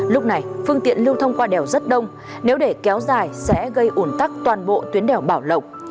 lúc này phương tiện lưu thông qua đèo rất đông nếu để kéo dài sẽ gây ủn tắc toàn bộ tuyến đèo bảo lộc